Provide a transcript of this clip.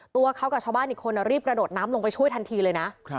ตัวเขากับชาวบ้านอีกคนรีบกระโดดน้ำลงไปช่วยทันทีเลยนะ